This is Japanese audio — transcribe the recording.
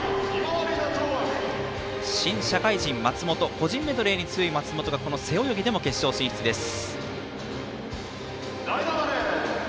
個人メドレーに強い松本がこの背泳ぎでも決勝進出です。